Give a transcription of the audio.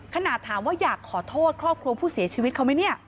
ขนาดถามว่าอยากขอโทษครอบครัวผู้เสียชีวิตเขาไหมเนี่ย